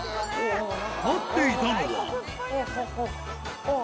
待っていたのは。